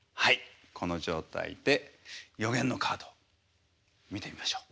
この状態で予言のカードを見てみましょう。